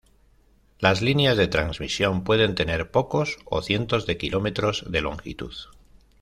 Las líneas de transmisión pueden tener pocos, o cientos de kilómetros de longitud.